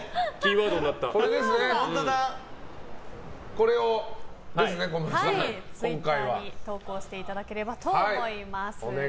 これをツイッターに投稿していただければと思います。